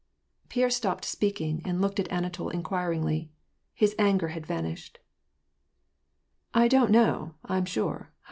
• Pierre stopped speaking, and looked at Anatol inquiringly ; his anger had vanished. "I don't know, I'm sure; ha?